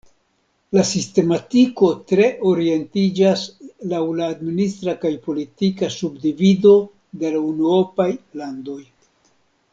La sistematiko tre orientiĝas laŭ la administra kaj politika subdivido de la unuopaj landoj.